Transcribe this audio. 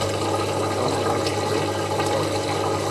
Tom Waits Best of